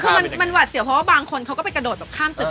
คือมันหวาดเสียวเพราะว่าบางคนเขาก็ไปกระโดดแบบข้ามตึก